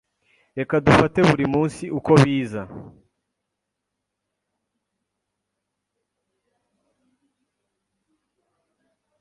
Reka dufate buri munsi uko biza.